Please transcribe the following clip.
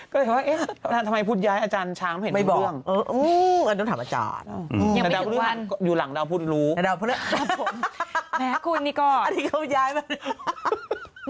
ก็เลยว่าทำไมพุทธย้ายอาจารย์ช้างไม่เห็นเรื่อง